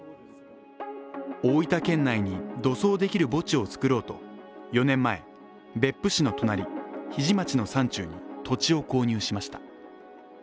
大分県内に土葬できる墓地を作ろうと４年前、別府市の隣日出町の山中に土地を購入しました。